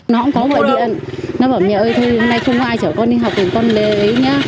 nó cũng có gọi điện nó bảo mẹ ơi thôi hôm nay không có ai chở con đi học thì con lấy nhá